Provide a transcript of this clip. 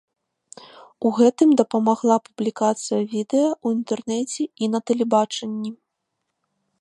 У гэтым дапамагла публікацыя відэа ў інтэрнэце і на тэлебачанні.